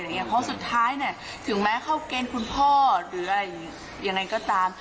เพราะสุดท้ายถึงแม้เข้าเกณฑ์คุณพ่อหรืออะไรยังไงก็ตาม